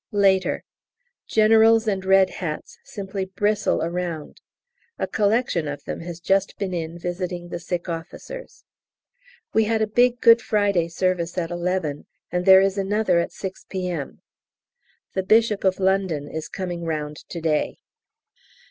Later. Generals and "Red Hats" simply bristle around. A collection of them has just been in visiting the sick officers. We had a big Good Friday service at 11, and there is another at 6 P.M. The Bishop of London is coming round to day.